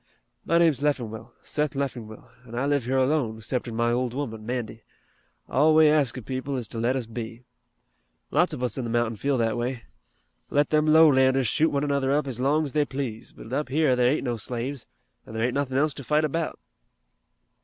My name's Leffingwell, Seth Leffingwell, an' I live here alone, 'ceptin' my old woman, Mandy. All we ask of people is to let us be. Lots of us in the mountain feel that way. Let them lowlanders shoot one another up ez long ez they please, but up here there ain't no slaves, an' there ain't nothin' else to fight about."